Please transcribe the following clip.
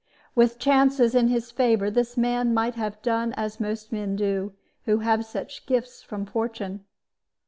With chances in his favor, this man might have done as most men do who have such gifts from fortune.